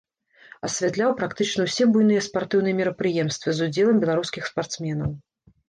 Асвятляў практычна ўсе буйныя спартыўныя мерапрыемствы з удзелам беларускіх спартсменаў.